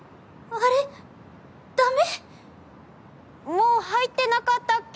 もう入ってなかったっけ？